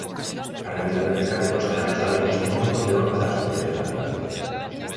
A realidade precaria dos salarios galegos é moito peor para as mulleres galegas.